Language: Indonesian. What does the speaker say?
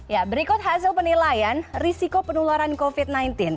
ya berikut hasil penilaian risiko penularan covid sembilan belas